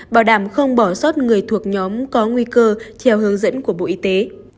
bảo đảm không bỏ sót người thuộc nhóm có nguy cơ theo hướng dẫn của bộ y tế